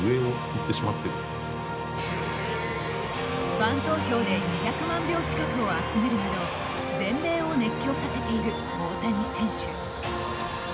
ファン投票で２００万票近くを集めるなど全米を熱狂させている大谷選手。